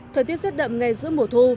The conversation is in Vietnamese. thời tiết rất đậm ngay giữa mùa thu